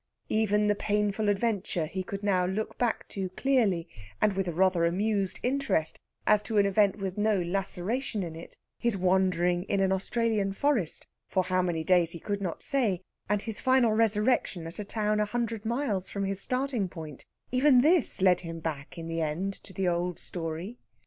Even the painful adventure he could now look back to clearly, and with a rather amused interest, as to an event with no laceration in it his wandering in an Australian forest, for how many days he could not say, and his final resurrection at a town a hundred miles from his starting point even this led him back in the end to the old story.